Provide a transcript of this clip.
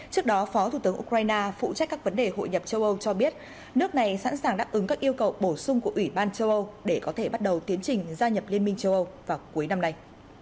trước đó phó thủ tướng ukraine phụ trách các vấn đề hội nhập châu âu cho biết nước này sẵn sàng đáp ứng các yêu cầu bổ sung của ủy ban châu âu để có thể bắt đầu tiến trình gia nhập liên minh châu âu vào cuối năm nay